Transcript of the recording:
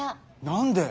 何で？